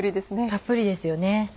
たっぷりですよね。